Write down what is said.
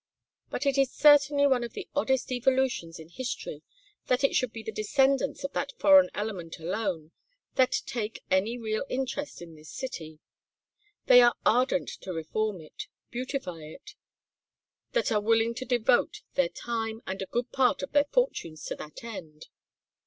But it is certainly one of the oddest evolutions in history that it should be the descendants of that foreign element alone that take any real interest in this city; that are ardent to reform it, beautify it; that are willing to devote their time and a good part of their fortunes to that end.